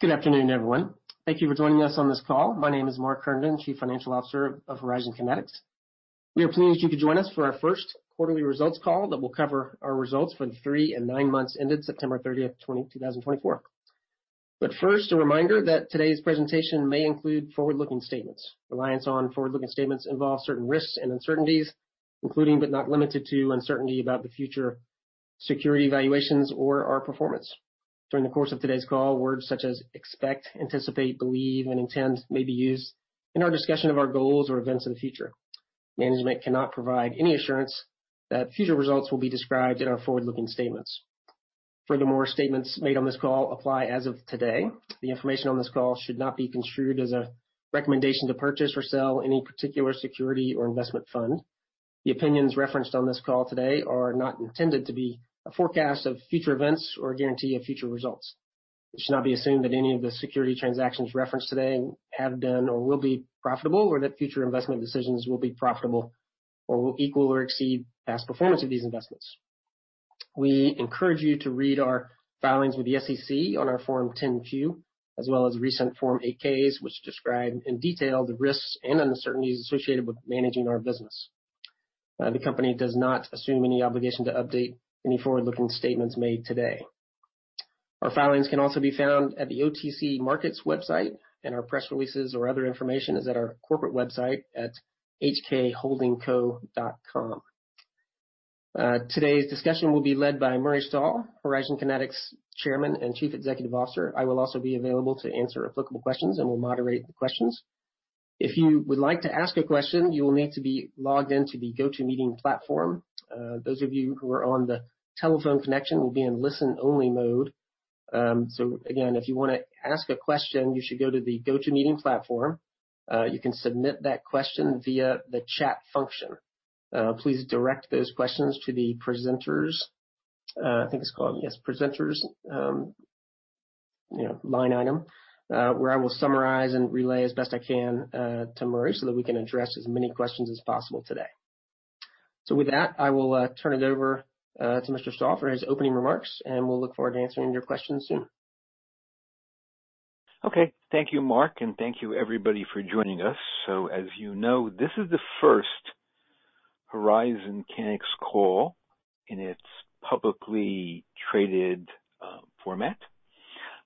Good afternoon, everyone. Thank you for joining us on this call. My name is Mark Herndon, Chief Financial Officer of Horizon Kinetics. We are pleased you could join us for our first quarterly results call that will cover our results for the three and nine months ended September 30th, 2024. But first, a reminder that today's presentation may include forward-looking statements. Reliance on forward-looking statements involves certain risks and uncertainties, including but not limited to uncertainty about the future securities valuations or our performance. During the course of today's call, words such as expect, anticipate, believe, and intend may be used in our discussion of our goals or events of the future. Management cannot provide any assurance that future results will be described in our forward-looking statements. Furthermore, statements made on this call apply as of today. The information on this call should not be construed as a recommendation to purchase or sell any particular security or investment fund. The opinions referenced on this call today are not intended to be a forecast of future events or a guarantee of future results. It should not be assumed that any of the security transactions referenced today have been or will be profitable, or that future investment decisions will be profitable or will equal or exceed past performance of these investments. We encourage you to read our filings with the SEC on our Form 10-Q, as well as recent Form 8-Ks, which describe in detail the risks and uncertainties associated with managing our business. The company does not assume any obligation to update any forward-looking statements made today. Our filings can also be found at the OTC Markets website, and our press releases or other information is at our corporate website at hkholdingco.com. Today's discussion will be led by Murray Stahl, Horizon Kinetics Chairman and Chief Executive Officer. I will also be available to answer applicable questions and will moderate the questions. If you would like to ask a question, you will need to be logged into the GoTo Meeting platform. Those of you who are on the telephone connection will be in listen-only mode. So again, if you want to ask a question, you should go to the GoTo Meeting platform. You can submit that question via the chat function. Please direct those questions to the presenters. I think it's called, yes, presenters, you know, line item, where I will summarize and relay as best I can to Murray so that we can address as many questions as possible today. So with that, I will turn it over to Mr. Stahl for his opening remarks, and we'll look forward to answering your questions soon. Okay. Thank you, Mark, and thank you, everybody, for joining us. So as you know, this is the first Horizon Kinetics call in its publicly traded format.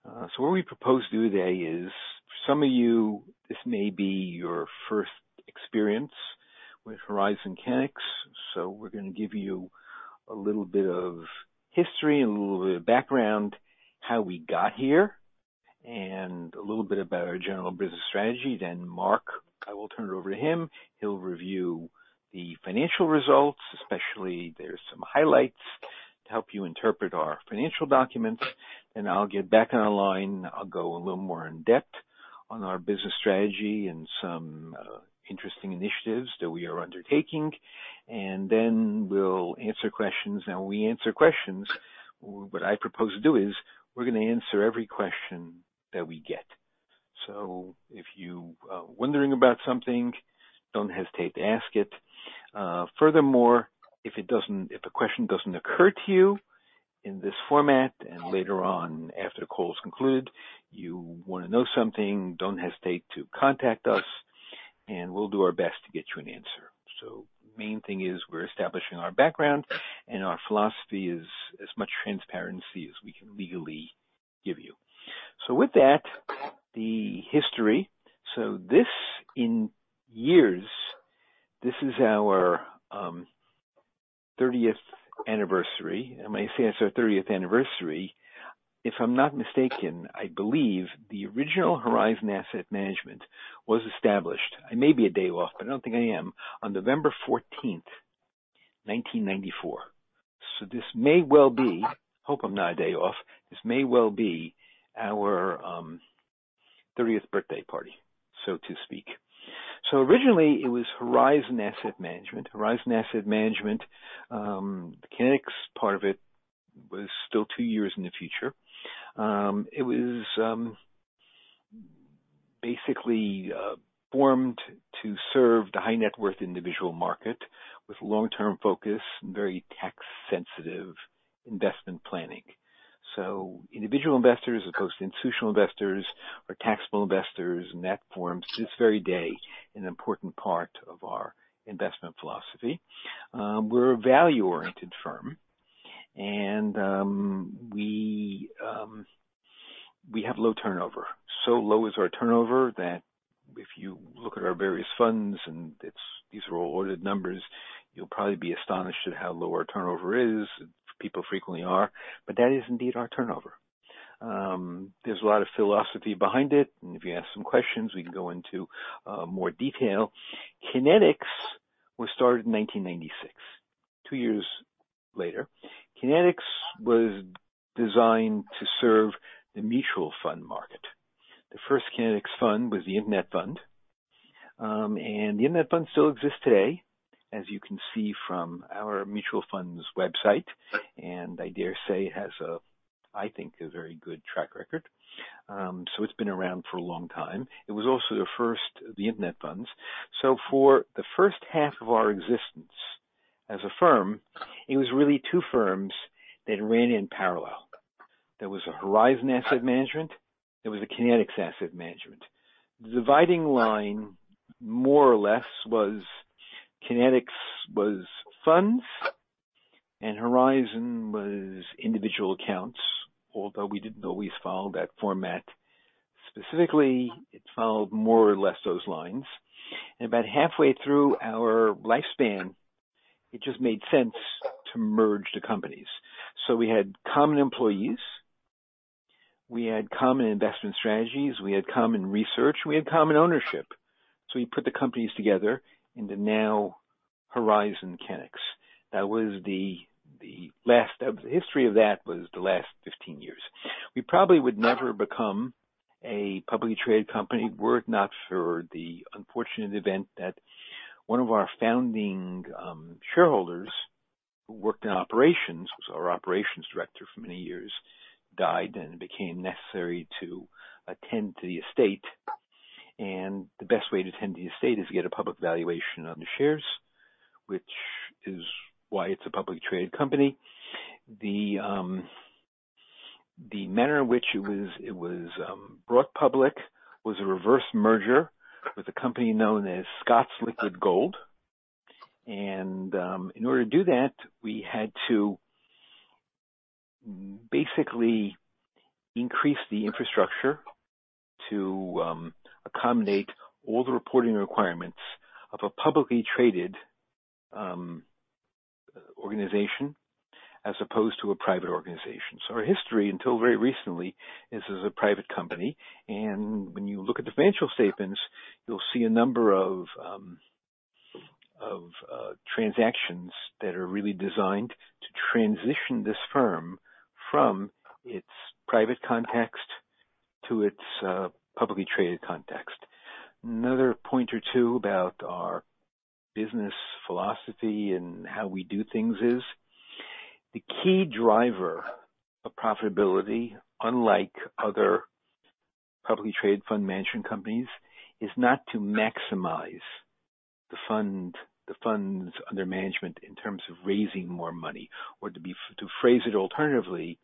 So what we propose to do today is, for some of you, this may be your first experience with Horizon Kinetics. So we're going to give you a little bit of history and a little bit of background, how we got here, and a little bit about our general business strategy. Then Mark, I will turn it over to him. He'll review the financial results, especially there's some highlights to help you interpret our financial documents. Then I'll get back on the line. I'll go a little more in depth on our business strategy and some interesting initiatives that we are undertaking. And then we'll answer questions. Now, when we answer questions, what I propose to do is we're going to answer every question that we get. So if you are wondering about something, don't hesitate to ask it. Furthermore, if a question doesn't occur to you in this format and later on after the call is concluded, you want to know something, don't hesitate to contact us, and we'll do our best to get you an answer. So the main thing is we're establishing our background, and our philosophy is as much transparency as we can legally give you. So with that, the history. So this in years, this is our 30th anniversary. I'm going to say it's our 30th anniversary. If I'm not mistaken, I believe the original Horizon Asset Management was established. I may be a day off, but I don't think I am, on November 14th, 1994. So this may well be, hope I'm not a day off, this may well be our 30th birthday party, so to speak. Originally, it was Horizon Asset Management. Horizon Asset Management, the Kinetics part of it was still two years in the future. It was basically formed to serve the high-net-worth individual market with long-term focus and very tax-sensitive investment planning. Individual investors as opposed to institutional investors or taxable investors in that form; to this very day, an important part of our investment philosophy. We're a value-oriented firm, and we have low turnover. So low is our turnover that if you look at our various funds and these are all audited numbers, you'll probably be astonished at how low our turnover is. People frequently are, but that is indeed our turnover. There's a lot of philosophy behind it, and if you ask some questions, we can go into more detail. Kinetics was started in 1996, two years later. Kinetics was designed to serve the mutual fund market. The first Kinetics fund was The Internet Fund, and The Internet Fund still exists today, as you can see from our mutual funds website, and I dare say it has, I think, a very good track record, so it's been around for a long time. It was also the first of The Internet Funds, so for the first half of our existence as a firm, it was really two firms that ran in parallel. There was a Horizon Asset Management. There was a Kinetics Asset Management. The dividing line more or less was Kinetics was funds and Horizon was individual accounts, although we didn't always follow that format. Specifically, it followed more or less those lines, and about halfway through our lifespan, it just made sense to merge the companies. We had common employees. We had common investment strategies. We had common research. We had common ownership. We put the companies together into now Horizon Kinetics. That was the last of the history. That was the last 15 years. We probably would never become a publicly traded company were it not for the unfortunate event that one of our founding shareholders who worked in operations, who was our operations director for many years, died, and it became necessary to attend to the estate. The best way to attend to the estate is to get a public valuation on the shares, which is why it's a publicly traded company. The manner in which it was brought public was a reverse merger with a company known as Scott's Liquid Gold. And in order to do that, we had to basically increase the infrastructure to accommodate all the reporting requirements of a publicly traded organization as opposed to a private organization. So our history until very recently is as a private company. And when you look at the financial statements, you'll see a number of transactions that are really designed to transition this firm from its private context to its publicly traded context. Another point or two about our business philosophy and how we do things is the key driver of profitability, unlike other publicly traded fund management companies, is not to maximize the funds under management in terms of raising more money. Or to phrase it alternatively,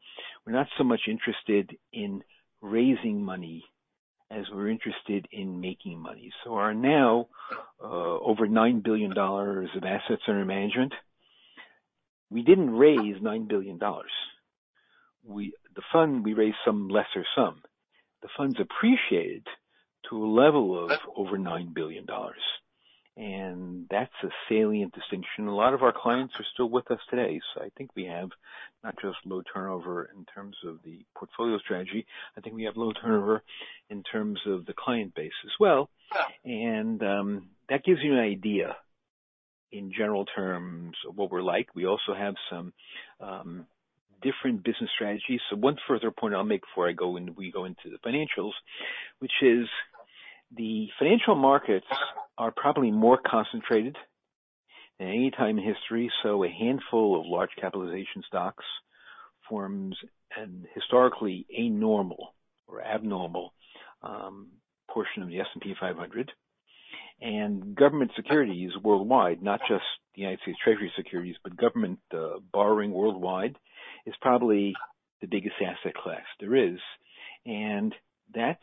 we're not so much interested in raising money as we're interested in making money. So our now over $9 billion of assets under management, we didn't raise $9 billion. The fund, we raised some lesser sum. The fund's appreciated to a level of over $9 billion, and that's a salient distinction. A lot of our clients are still with us today, so I think we have not just low turnover in terms of the portfolio strategy. I think we have low turnover in terms of the client base as well, and that gives you an idea in general terms of what we're like. We also have some different business strategies, so one further point I'll make before we go into the financials, which is the financial markets are probably more concentrated than any time in history, so a handful of large capitalization stocks forms a historically anormal or abnormal portion of the S&P 500, and government securities worldwide, not just the United States Treasury securities, but government borrowing worldwide is probably the biggest asset class there is. That's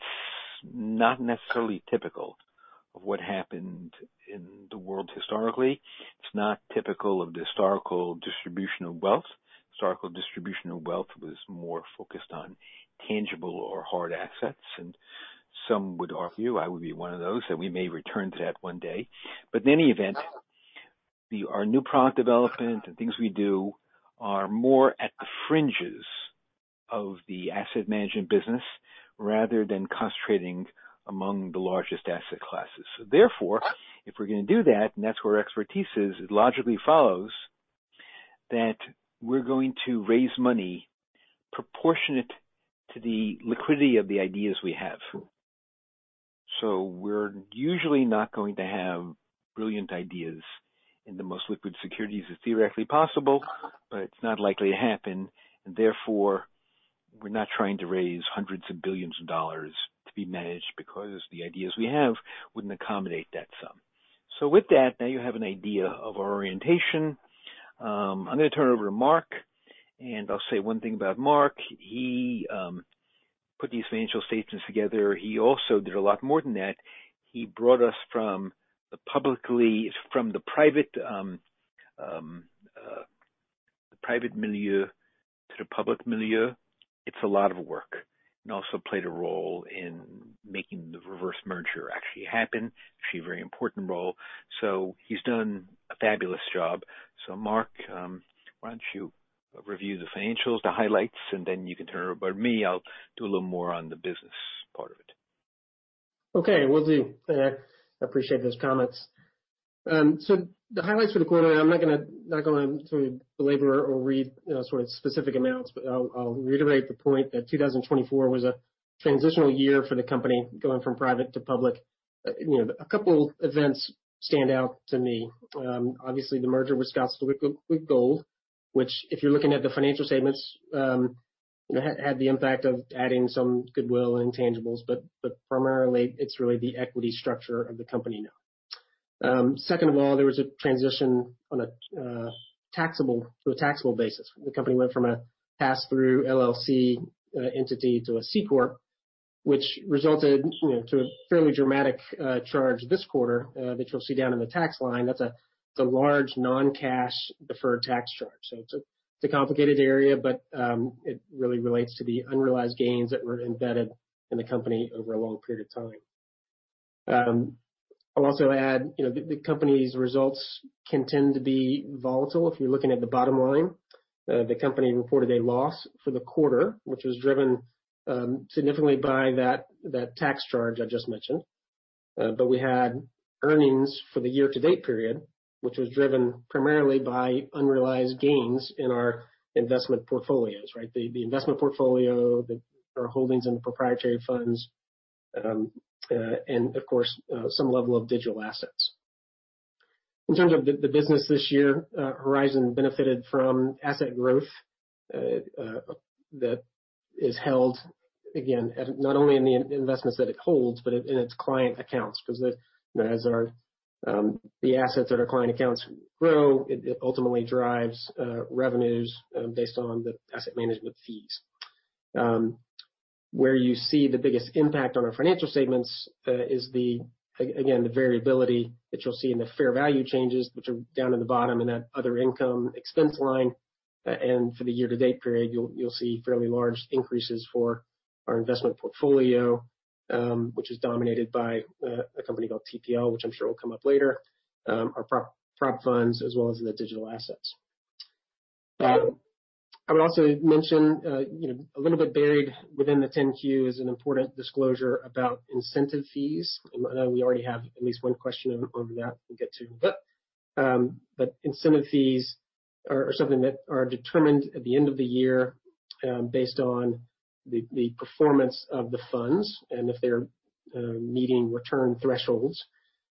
not necessarily typical of what happened in the world historically. It's not typical of the historical distribution of wealth. Historical distribution of wealth was more focused on tangible or hard assets. Some would argue I would be one of those that we may return to that one day. In any event, our new product development and things we do are more at the fringes of the asset management business rather than concentrating among the largest asset classes. Therefore, if we're going to do that, and that's where our expertise is, it logically follows that we're going to raise money proportionate to the liquidity of the ideas we have. We're usually not going to have brilliant ideas in the most liquid securities as theoretically possible, but it's not likely to happen. Therefore, we're not trying to raise hundreds of billions of dollars to be managed because the ideas we have wouldn't accommodate that sum. With that, now you have an idea of our orientation. I'm going to turn it over to Mark, and I'll say one thing about Mark. He put these financial statements together. He also did a lot more than that. He brought us from the private milieu to the public milieu. It's a lot of work and also played a role in making the reverse merger actually happen, actually a very important role. He's done a fabulous job. Mark, why don't you review the financials, the highlights, and then you can turn it over to me. I'll do a little more on the business part of it. Okay. Will do. I appreciate those comments. So the highlights for the quarter, I'm not going to go into the numbers or read sort of specific amounts, but I'll reiterate the point that 2024 was a transitional year for the company going from private to public. A couple of events stand out to me. Obviously, the merger with Scott's Liquid Gold, which if you're looking at the financial statements, had the impact of adding some goodwill and intangibles, but primarily, it's really the equity structure of the company now. Second of all, there was a transition on a taxable basis. The company went from a pass-through LLC entity to a C corp, which resulted in a fairly dramatic charge this quarter that you'll see down in the tax line. That's a large non-cash deferred tax charge. It's a complicated area, but it really relates to the unrealized gains that were embedded in the company over a long period of time. I'll also add the company's results can tend to be volatile. If you're looking at the bottom line, the company reported a loss for the quarter, which was driven significantly by that tax charge I just mentioned. But we had earnings for the year-to-date period, which was driven primarily by unrealized gains in our investment portfolios, right? The investment portfolio, our holdings in the proprietary funds, and of course, some level of digital assets. In terms of the business this year, Horizon benefited from asset growth that is held, again, not only in the investments that it holds, but in its client accounts. Because as the assets at our client accounts grow, it ultimately drives revenues based on the asset management fees. Where you see the biggest impact on our financial statements is, again, the variability that you'll see in the fair value changes, which are down at the bottom in that other income expense line. And for the year-to-date period, you'll see fairly large increases for our investment portfolio, which is dominated by a company called TPL, which I'm sure will come up later, our prop funds, as well as the digital assets. I would also mention a little bit buried within the 10Q is an important disclosure about incentive fees. I know we already have at least one question on that we'll get to. But incentive fees are something that are determined at the end of the year based on the performance of the funds and if they're meeting return thresholds.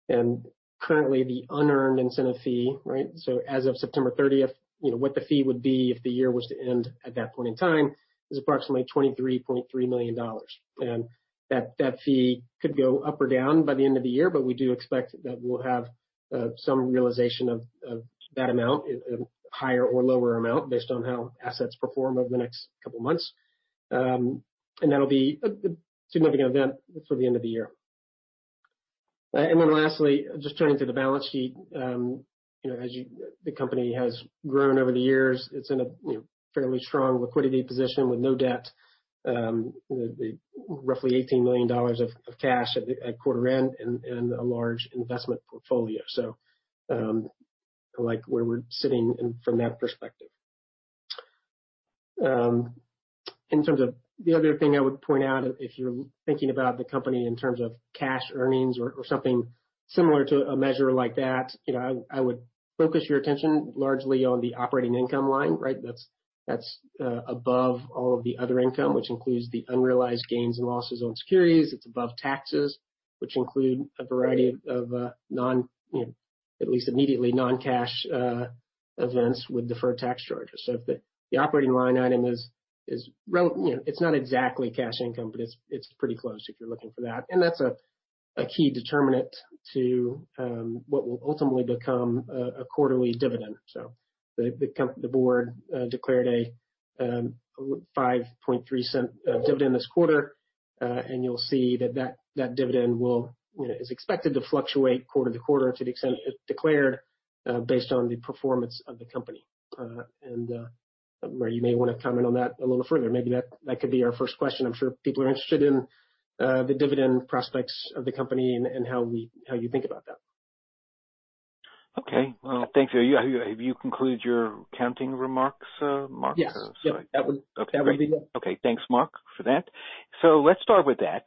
And currently, the unearned incentive fee, right? As of September 30th, what the fee would be if the year was to end at that point in time is approximately $23.3 million. And that fee could go up or down by the end of the year, but we do expect that we'll have some realization of that amount, a higher or lower amount based on how assets perform over the next couple of months. And that'll be a significant event for the end of the year. And then lastly, just turning to the balance sheet, as the company has grown over the years, it's in a fairly strong liquidity position with no debt, roughly $18 million of cash at quarter end and a large investment portfolio. So I like where we're sitting from that perspective. In terms of the other thing I would point out, if you're thinking about the company in terms of cash earnings or something similar to a measure like that, I would focus your attention largely on the operating income line, right? That's above all of the other income, which includes the unrealized gains and losses on securities. It's above taxes, which include a variety of, at least immediately, non-cash events with deferred tax charges. So if the operating line item is, it's not exactly cash income, but it's pretty close if you're looking for that. And that's a key determinant to what will ultimately become a quarterly dividend. So the board declared a $0.053 dividend this quarter. And you'll see that that dividend is expected to fluctuate quarter-to-quarter to the extent it's declared based on the performance of the company. You may want to comment on that a little further. Maybe that could be our first question. I'm sure people are interested in the dividend prospects of the company and how you think about that. Okay. Well, thanks. Have you concluded your opening remarks, Mark? Yes. That would be it. Okay. Thanks, Mark, for that. So let's start with that.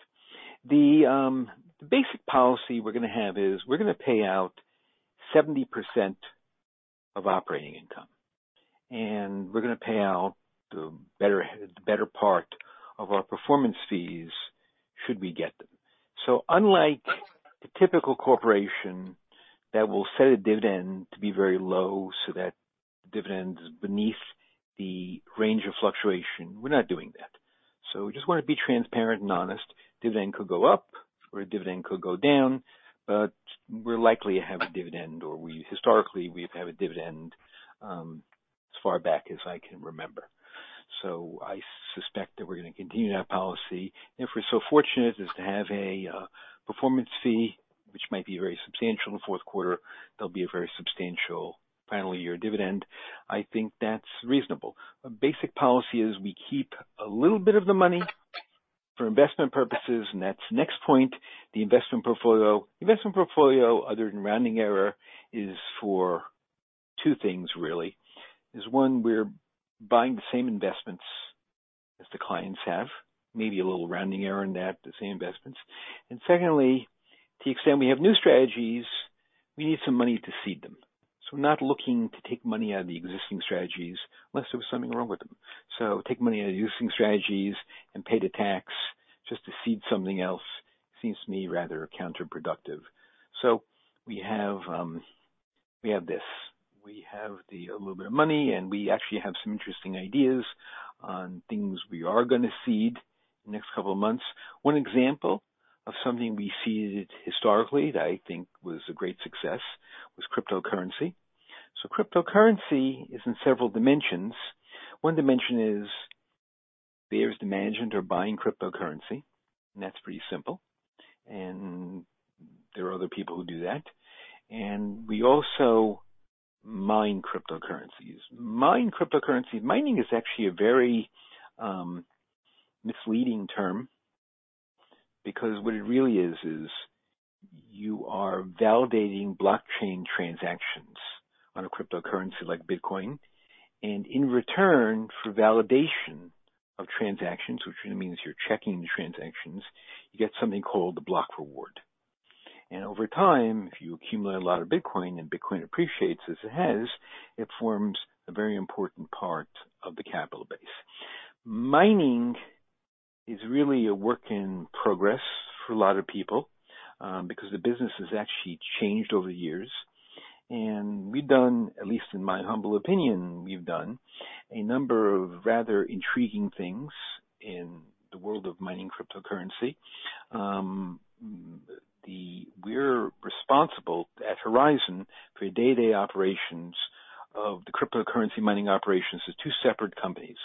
The basic policy we're going to have is we're going to pay out 70% of operating income. And we're going to pay out the better part of our performance fees should we get them. So unlike a typical corporation that will set a dividend to be very low so that dividend is beneath the range of fluctuation, we're not doing that. So we just want to be transparent and honest. Dividend could go up or dividend could go down, but we're likely to have a dividend or we historically we've had a dividend as far back as I can remember. So I suspect that we're going to continue that policy. And if we're so fortunate as to have a performance fee, which might be very substantial in the fourth quarter, there'll be a very substantial final year dividend. I think that's reasonable. A basic policy is we keep a little bit of the money for investment purposes. And that's next point. The investment portfolio, investment portfolio other than rounding error is for two things, really. Is one, we're buying the same investments as the clients have, maybe a little rounding error in that, the same investments. And secondly, to the extent we have new strategies, we need some money to seed them. So we're not looking to take money out of the existing strategies unless there was something wrong with them. So take money out of existing strategies and pay the tax just to seed something else seems to me rather counterproductive. So we have this. We have a little bit of money, and we actually have some interesting ideas on things we are going to seed in the next couple of months. One example of something we seeded historically that I think was a great success was cryptocurrency. So cryptocurrency is in several dimensions. One dimension is there's the management of buying cryptocurrency, and that's pretty simple. And there are other people who do that. And we also mine cryptocurrencies. Mine cryptocurrency. Mining is actually a very misleading term because what it really is, is you are validating blockchain transactions on a cryptocurrency like Bitcoin. And in return for validation of transactions, which means you're checking the transactions, you get something called the block reward. And over time, if you accumulate a lot of Bitcoin and Bitcoin appreciates as it has, it forms a very important part of the capital base. Mining is really a work in progress for a lot of people because the business has actually changed over the years. We've done, at least in my humble opinion, we've done a number of rather intriguing things in the world of mining cryptocurrency. We're responsible at Horizon for day-to-day operations of the cryptocurrency mining operations of two separate companies.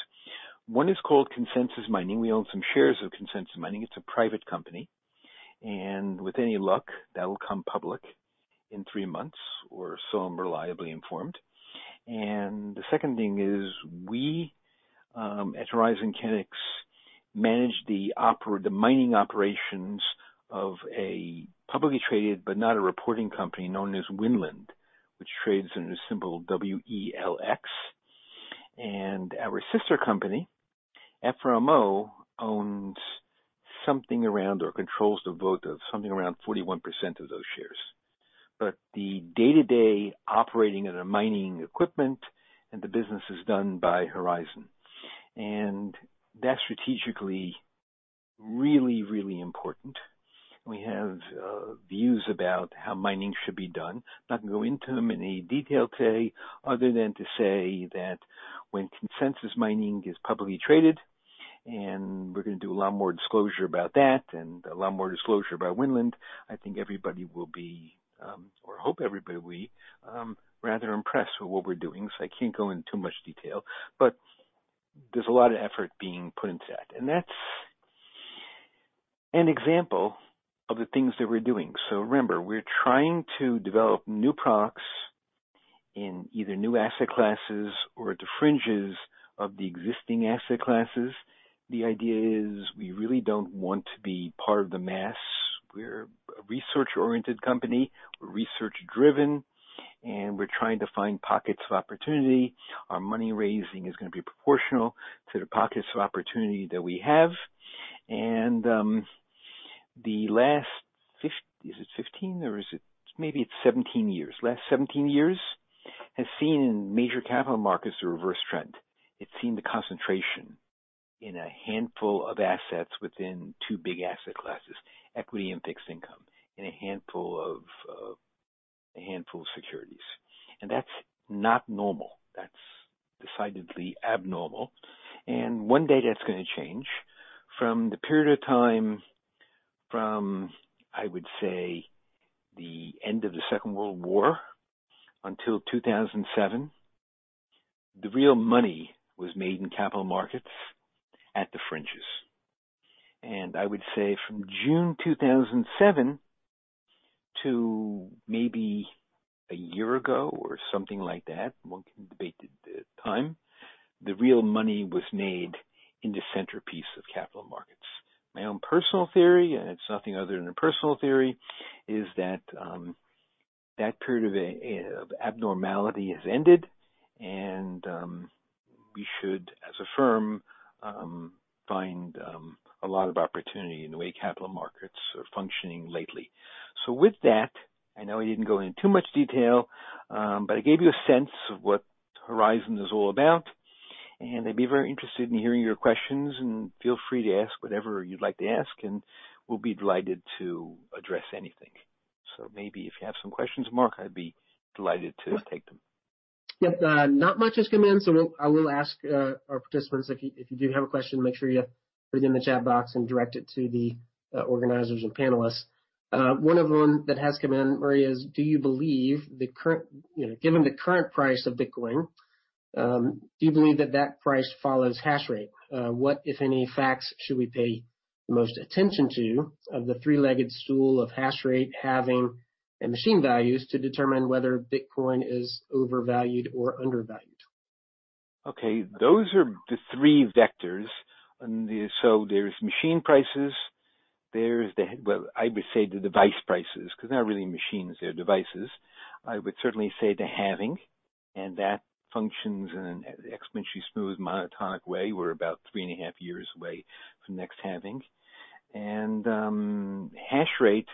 One is called Consensus Mining. We own some shares of Consensus Mining. It's a private company. With any luck, that'll come public in three months or so I'm reliably informed. The second thing is we, at Horizon Kinetics, manage the mining operations of a publicly traded but not a reporting company known as Winland, which trades under the symbol WELX. Our sister company, FRMO, owns something around or controls the vote of something around 41% of those shares. The day-to-day operating of the mining equipment and the business is done by Horizon. That's strategically really, really important. And we have views about how mining should be done. I'm not going to go into them in any detail today other than to say that when Consensus Mining is publicly traded, and we're going to do a lot more disclosure about that and a lot more disclosure about Winland, I think everybody will be, or I hope everybody will be, rather impressed with what we're doing. So I can't go into too much detail. But there's a lot of effort being put into that. And that's an example of the things that we're doing. So remember, we're trying to develop new products in either new asset classes or at the fringes of the existing asset classes. The idea is we really don't want to be part of the mass. We're a research-oriented company. We're research-driven, and we're trying to find pockets of opportunity. Our money raising is going to be proportional to the pockets of opportunity that we have. And the last, is it 15 or maybe 17 years, last 17 years has seen in major capital markets a reverse trend. It's seen the concentration in a handful of assets within two big asset classes, equity and fixed income, in a handful of securities. And that's not normal. That's decidedly abnormal. And one day that's going to change. From the period of time from, I would say, the end of the Second World War until 2007, the real money was made in capital markets at the fringes. And I would say from June 2007 to maybe a year ago or something like that, one can debate the time, the real money was made in the centerpiece of capital markets. My own personal theory, and it's nothing other than a personal theory, is that that period of abnormality has ended, and we should, as a firm, find a lot of opportunity in the way capital markets are functioning lately. With that, I know I didn't go into too much detail, but I gave you a sense of what Horizon is all about. I'd be very interested in hearing your questions, and feel free to ask whatever you'd like to ask, and we'll be delighted to address anything. Maybe if you have some questions, Mark, I'd be delighted to take them. Yep. Not much has come in, so I will ask our participants. If you do have a question, make sure you put it in the chat box and direct it to the organizers and panelists. One of the ones that has come in, Murray, is, do you believe, given the current price of Bitcoin, that that price follows hash rate? What, if any, facts should we pay the most attention to of the three-legged stool of hash rate, halving, and machine values to determine whether Bitcoin is overvalued or undervalued? Okay. Those are the three vectors, so there's machine prices. There's the, well, I would say the device prices because they're not really machines. They're devices. I would certainly say the halving, and that functions in an exponentially smooth monotonic way. We're about 3.5 years away from the next halving, and hash rate,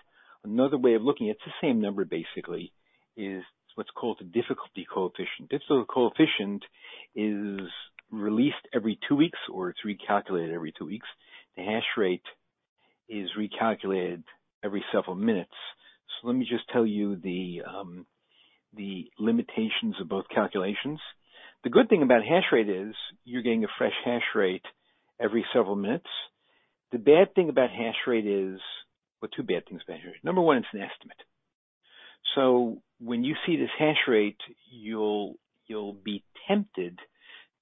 another way of looking at it, it's the same number, basically, is what's called the difficulty coefficient. Difficulty coefficient is released every two weeks or it's recalculated every two weeks. The hash rate is recalculated every several minutes, so let me just tell you the limitations of both calculations. The good thing about hash rate is you're getting a fresh hash rate every several minutes. The bad thing about hash rate is, well, two bad things about hash rate. Number one, it's an estimate. So when you see this hash rate, you'll be tempted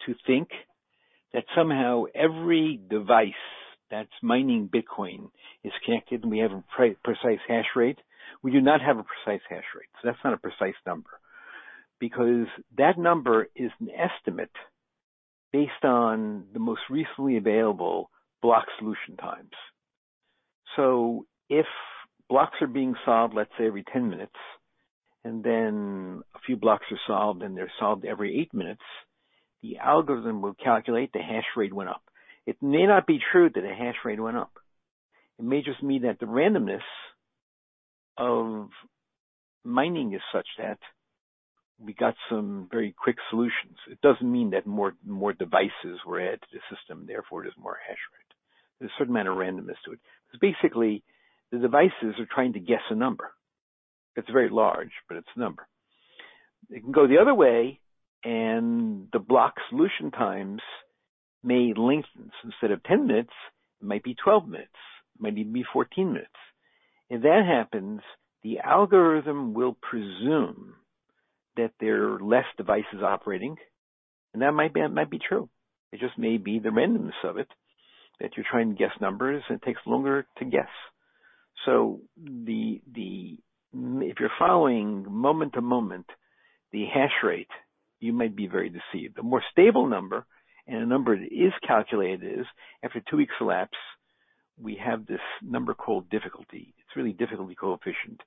to think that somehow every device that's mining Bitcoin is connected and we have a precise hash rate. We do not have a precise hash rate. So that's not a precise number because that number is an estimate based on the most recently available block solution times. So if blocks are being solved, let's say, every 10 minutes, and then a few blocks are solved and they're solved every eight minutes, the algorithm will calculate the hash rate went up. It may not be true that the hash rate went up. It may just mean that the randomness of mining is such that we got some very quick solutions. It doesn't mean that more devices were added to the system, therefore there's more hash rate. There's a certain amount of randomness to it. It's basically the devices are trying to guess a number. It's very large, but it's a number. It can go the other way, and the block solution times may lengthen. So instead of 10 minutes, it might be 12 minutes. It might even be 14 minutes. If that happens, the algorithm will presume that there are less devices operating, and that might be true. It just may be the randomness of it that you're trying to guess numbers, and it takes longer to guess. So if you're following moment-to-moment the hash rate, you might be very deceived. A more stable number and a number that is calculated is after two weeks elapse, we have this number called difficulty. It's really difficulty coefficient.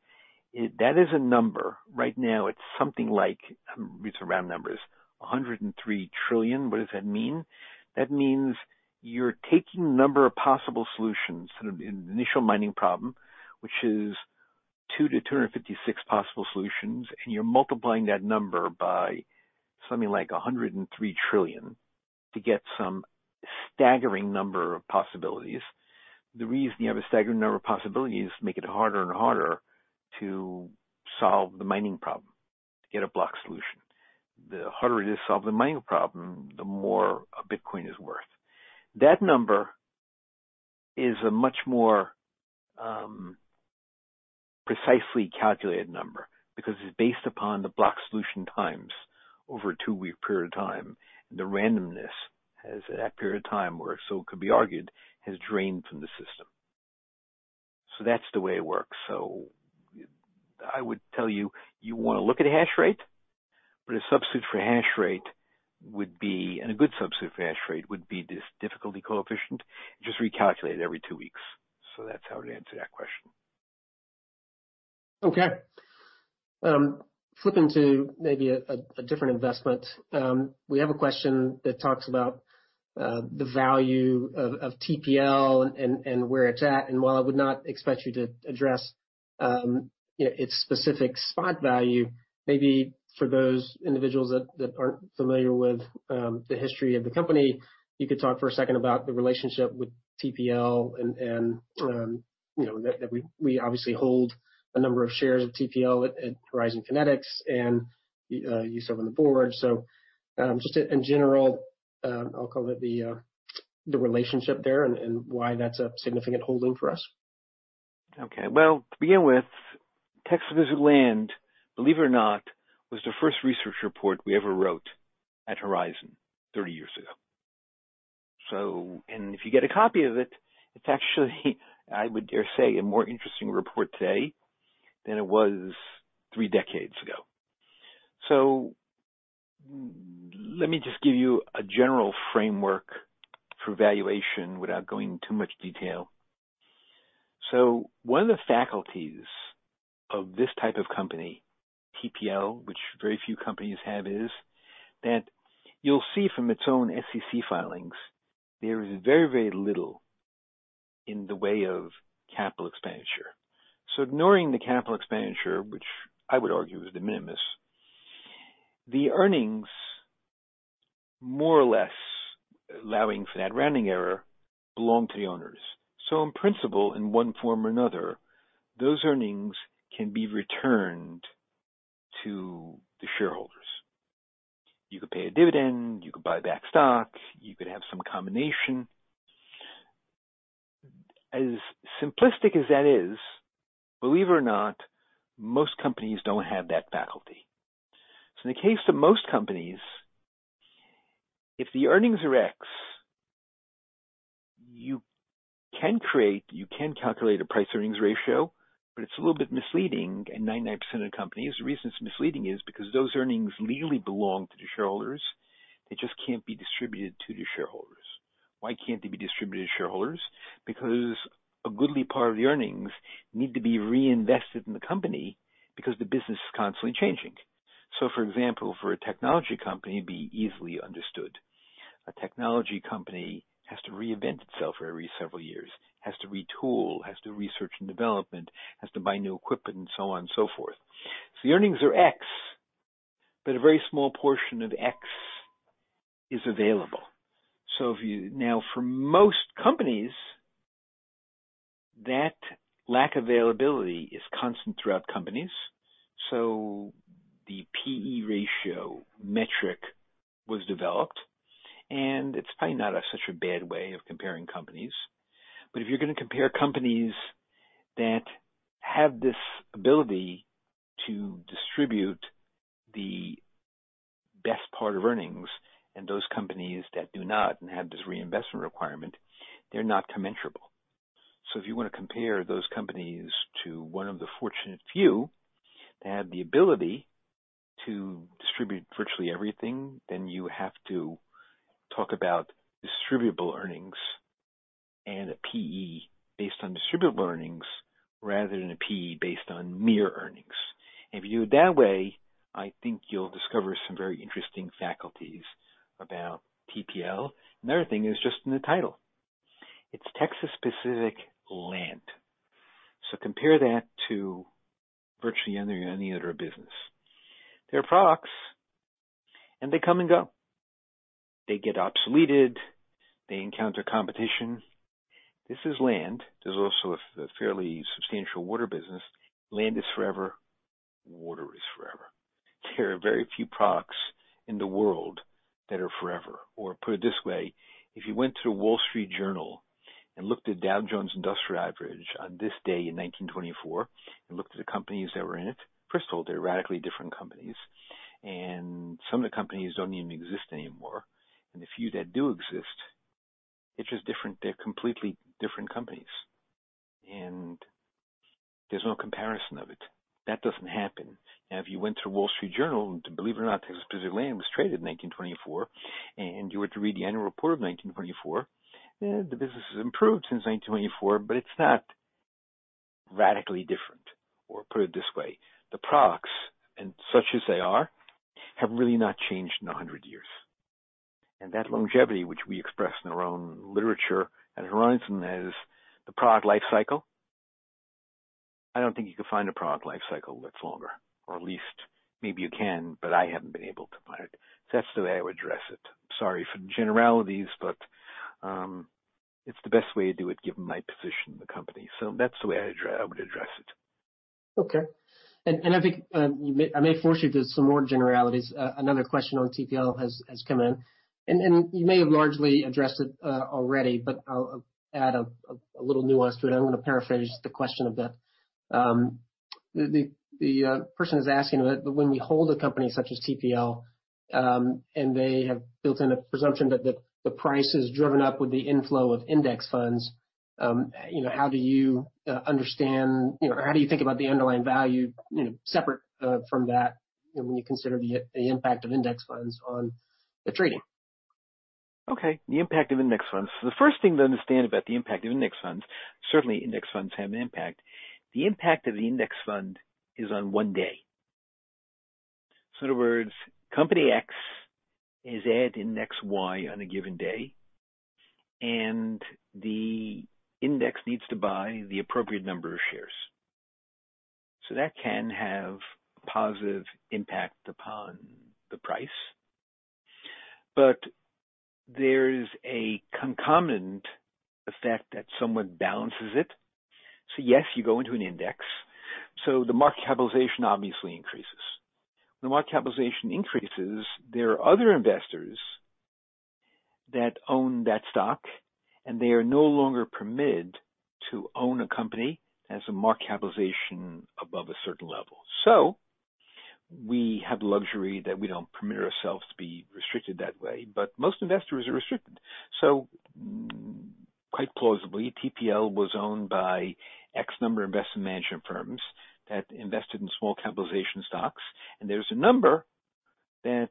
That is a number. Right now, it's something like, it's around numbers, 103 trillion. What does that mean? That means you're taking the number of possible solutions in an initial mining problem, which is 2-256 possible solutions, and you're multiplying that number by something like 103 trillion to get some staggering number of possibilities. The reason you have a staggering number of possibilities is to make it harder and harder to solve the mining problem, to get a block solution. The harder it is to solve the mining problem, the more a Bitcoin is worth. That number is a much more precisely calculated number because it's based upon the block solution times over a two-week period of time, and the randomness has at that period of time, or so it could be argued, has drained from the system, so that's the way it works. So I would tell you, you want to look at hash rate, but a substitute for hash rate would be, and a good substitute for hash rate would be this difficulty coefficient, just recalculate every two weeks. So that's how I'd answer that question. Okay. Flipping to maybe a different investment, we have a question that talks about the value of TPL and where it's at. And while I would not expect you to address its specific spot value, maybe for those individuals that aren't familiar with the history of the company, you could talk for a second about the relationship with TPL and that we obviously hold a number of shares of TPL at Horizon Kinetics and you serve on the board. So just in general, I'll call it the relationship there and why that's a significant holding for us. Okay, well, to begin with, Texas Pacific Land, believe it or not, was the first research report we ever wrote at Horizon 30 years ago, and if you get a copy of it, it's actually, I would dare say, a more interesting report today than it was three decades ago, so let me just give you a general framework for valuation without going into too much detail, so one of the faculties of this type of company, TPL, which very few companies have, is that you'll see from its own SEC filings, there is very, very little in the way of capital expenditure, so ignoring the capital expenditure, which I would argue is the minimum, the earnings, more or less allowing for that rounding error, belong to the owners, so in principle, in one form or another, those earnings can be returned to the shareholders. You could pay a dividend. You could buy back stock. You could have some combination. As simplistic as that is, believe it or not, most companies don't have that faculty. So in the case of most companies, if the earnings are X, you can create, you can calculate a price-earnings ratio, but it's a little bit misleading in 99% of companies. The reason it's misleading is because those earnings legally belong to the shareholders. They just can't be distributed to the shareholders. Why can't they be distributed to shareholders? Because a goodly part of the earnings need to be reinvested in the company because the business is constantly changing. So for example, for a technology company, it'd be easily understood. A technology company has to reinvent itself every several years, has to retool, has to do research and development, has to buy new equipment, and so on and so forth. So the earnings are X, but a very small portion of X is available. So now for most companies, that lack of availability is constant throughout companies. So the P/E ratio metric was developed, and it's probably not such a bad way of comparing companies. But if you're going to compare companies that have this ability to distribute the best part of earnings and those companies that do not and have this reinvestment requirement, they're not commensurable. So if you want to compare those companies to one of the fortunate few that have the ability to distribute virtually everything, then you have to talk about distributable earnings and a P/E based on distributable earnings rather than a P/E based on mere earnings. And if you do it that way, I think you'll discover some very interesting facts about TPL. Another thing is just in the title. It's Texas Pacific Land. So compare that to virtually any other business. They are products, and they come and go. They get obsoleted. They encounter competition. This is land. There's also a fairly substantial water business. Land is forever. Water is forever. There are very few products in the world that are forever. Or put it this way, if you went to the Wall Street Journal and looked at Dow Jones Industrial Average on this day in 1924 and looked at the companies that were in it, first of all, they're radically different companies. And some of the companies don't even exist anymore. And the few that do exist, they're just completely different companies. And there's no comparison of it. That doesn't happen. Now, if you went to the Wall Street Journal, believe it or not, Texas Pacific Land was traded in 1924, and you were to read the annual report of 1924, the business has improved since 1924, but it's not radically different. Or put it this way, the products, and such as they are, have really not changed in 100 years. And that longevity, which we express in our own literature at Horizon as the product life cycle, I don't think you could find a product life cycle that's longer. Or at least maybe you can, but I haven't been able to find it. So that's the way I would address it. Sorry for the generalities, but it's the best way to do it given my position in the company. So that's the way I would address it. Okay. And I think I may force you to some more generalities. Another question on TPL has come in. And you may have largely addressed it already, but I'll add a little nuance to it. I'm going to paraphrase the question a bit. The person is asking, when we hold a company such as TPL and they have built in a presumption that the price is driven up with the inflow of index funds, how do you understand, or how do you think about the underlying value separate from that when you consider the impact of index funds on the trading? Okay. The impact of index funds. So, the first thing to understand about the impact of index funds, certainly index funds have an impact. The impact of the index fund is on one day. So, in other words, company X is at index Y on a given day, and the index needs to buy the appropriate number of shares. So, that can have a positive impact upon the price. But there's a concomitant effect that somewhat balances it. So, yes, you go into an index. So, the market capitalization obviously increases. When the market capitalization increases, there are other investors that own that stock, and they are no longer permitted to own a company that has a market capitalization above a certain level. So, we have the luxury that we don't permit ourselves to be restricted that way. But most investors are restricted. So quite plausibly, TPL was owned by a number of investment management firms that invested in small capitalization stocks. And there's a number that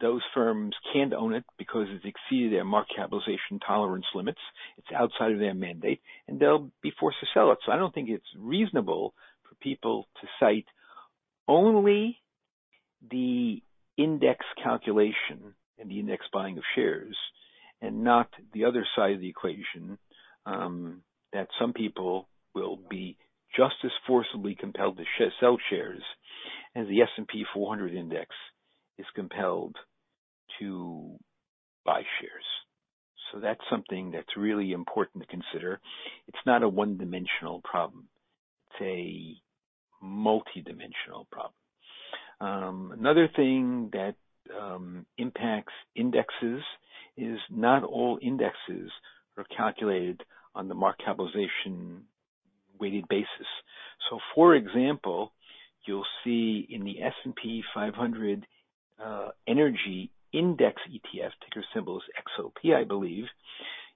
those firms can't own it because it's exceeded their market capitalization tolerance limits. It's outside of their mandate, and they'll be forced to sell it. So I don't think it's reasonable for people to cite only the index calculation and the index buying of shares and not the other side of the equation that some people will be just as forcibly compelled to sell shares as the S&P 400 index is compelled to buy shares. So that's something that's really important to consider. It's not a one-dimensional problem. It's a multidimensional problem. Another thing that impacts indexes is not all indexes are calculated on the market capitalization weighted basis. For example, you'll see in the S&P 500 energy index ETF, ticker symbol is XOP, I believe,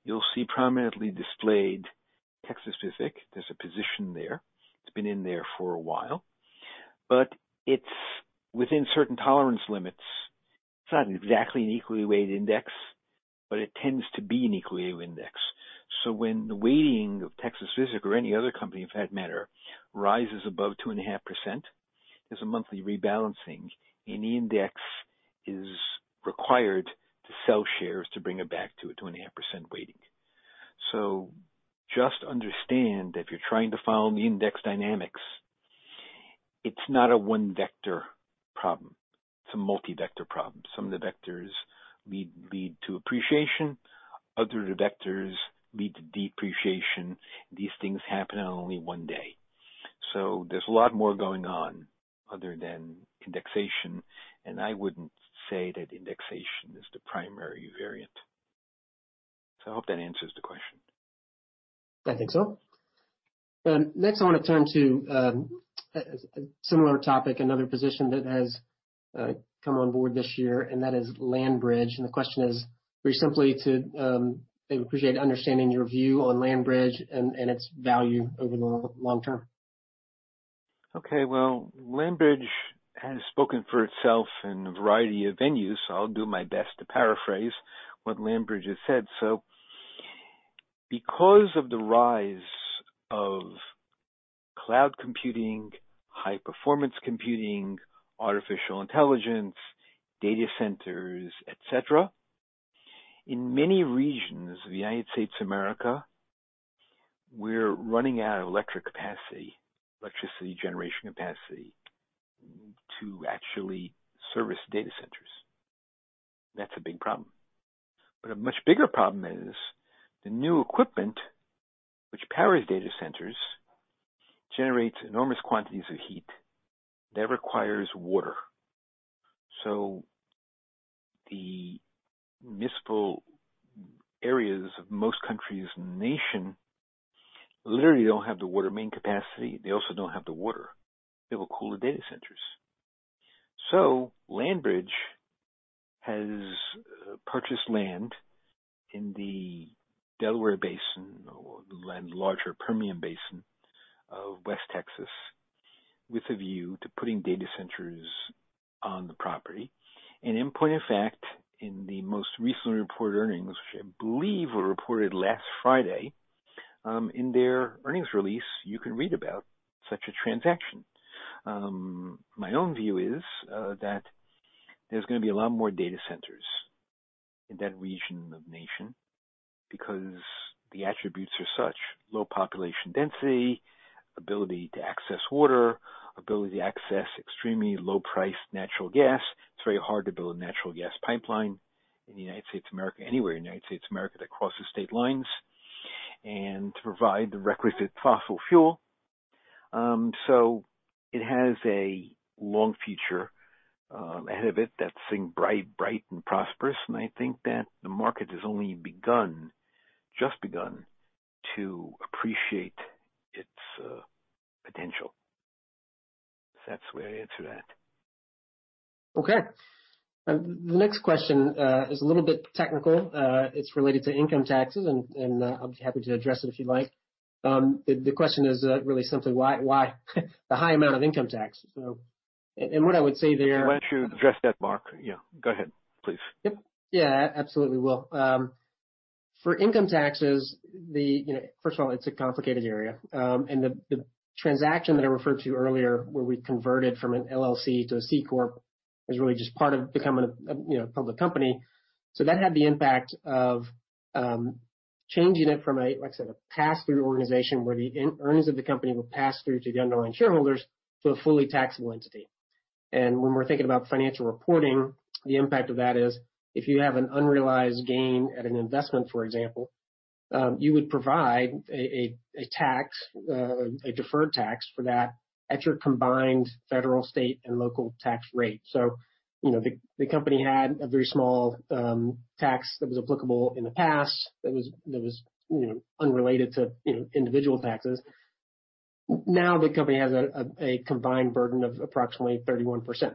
you'll see prominently displayed Texas Pacific. There's a position there. It's been in there for a while. But it's within certain tolerance limits. It's not exactly an equally weighted index, but it tends to be an equally weighted index. So when the weighting of Texas Pacific or any other company, for that matter, rises above 2.5%, there's a monthly rebalancing, and the index is required to sell shares to bring it back to a 2.5% weighting. So just understand that if you're trying to follow the index dynamics, it's not a one-vector problem. It's a multi-vector problem. Some of the vectors lead to appreciation. Other vectors lead to depreciation. These things happen on only one day. So there's a lot more going on other than indexation. I wouldn't say that indexation is the primary variant. I hope that answers the question. I think so. Next, I want to turn to a similar topic, another position that has come on board this year, and that is LandBridge. The question is very simply to, they would appreciate understanding your view on LandBridge and its value over the long term. Okay. Well, LandBridge has spoken for itself in a variety of venues, so I'll do my best to paraphrase what LandBridge has said. So because of the rise of cloud computing, high-performance computing, artificial intelligence, data centers, etc., in many regions of the United States of America, we're running out of electric capacity, electricity generation capacity to actually service data centers. That's a big problem. But a much bigger problem is the new equipment, which powers data centers, generates enormous quantities of heat that requires water. So the municipal areas of most countries in the nation literally don't have the water main capacity. They also don't have the water that will cool the data centers. So LandBridge has purchased land in the Delaware Basin or the larger Permian Basin of West Texas with a view to putting data centers on the property. In point of fact, in the most recently reported earnings, which I believe were reported last Friday, in their earnings release, you can read about such a transaction. My own view is that there's going to be a lot more data centers in that region of the nation because the attributes are such: low population density, ability to access water, ability to access extremely low-priced natural gas. It's very hard to build a natural gas pipeline in the United States of America, anywhere in the United States of America that crosses state lines, and to provide the requisite fossil fuel. So it has a long future ahead of it that's bright and prosperous. And I think that the market has only just begun to appreciate its potential. So that's the way I'd answer that. Okay. The next question is a little bit technical. It's related to income taxes, and I'll be happy to address it if you'd like. The question is really simply, why the high amount of income tax? And what I would say there. I want you to address that, Mark. Yeah. Go ahead, please. Yep. Yeah. Absolutely will. For income taxes, first of all, it's a complicated area. And the transaction that I referred to earlier, where we converted from an LLC to a C corp, is really just part of becoming a public company. So that had the impact of changing it from, like I said, a pass-through organization where the earnings of the company were passed through to the underlying shareholders to a fully taxable entity. And when we're thinking about financial reporting, the impact of that is if you have an unrealized gain at an investment, for example, you would provide a tax, a deferred tax for that at your combined federal, state, and local tax rate. So the company had a very small tax that was applicable in the past that was unrelated to individual taxes. Now the company has a combined burden of approximately 31%.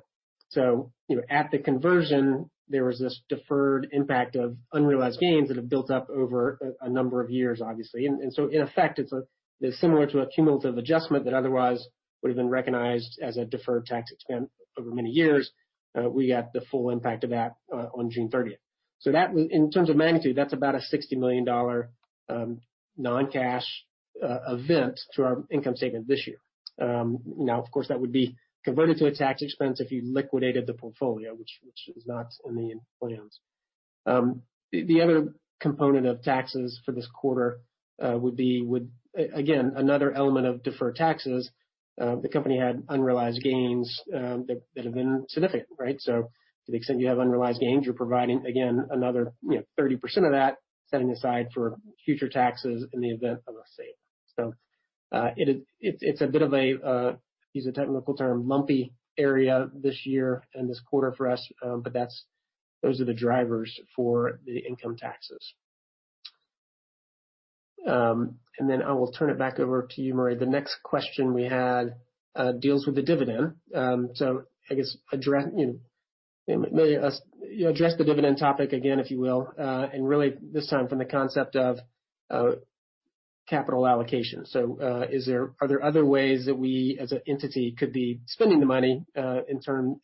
At the conversion, there was this deferred impact of unrealized gains that have built up over a number of years, obviously. In effect, it's similar to a cumulative adjustment that otherwise would have been recognized as a deferred tax expense over many years. We got the full impact of that on June 30th. In terms of magnitude, that's about a $60 million non-cash event to our income statement this year. Now, of course, that would be converted to a tax expense if you liquidated the portfolio, which is not in the plans. The other component of taxes for this quarter would be, again, another element of deferred taxes. The company had unrealized gains that have been significant, right? To the extent you have unrealized gains, you're providing, again, another 30% of that, setting aside for future taxes in the event of a sale. So it's a bit of a, use a technical term, lumpy area this year and this quarter for us, but those are the drivers for the income taxes. And then I will turn it back over to you, Murray. The next question we had deals with the dividend. So I guess maybe address the dividend topic again, if you will, and really this time from the concept of capital allocation. So are there other ways that we, as an entity, could be spending the money